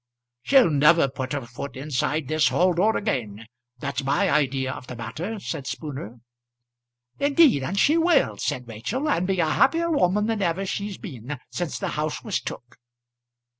"She'll never put her foot inside this hall door again. That's my idea of the matter," said Spooner. "Indeed and she will," said Rachel, "and be a happier woman than ever she's been since the house was took."